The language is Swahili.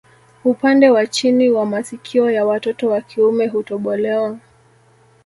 Upande wa chini wa masikio ya watoto wa kiume hutobolewa